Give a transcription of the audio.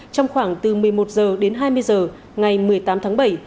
trong khoảng từ một mươi một h đến hai mươi h ngày một mươi tám tháng bảy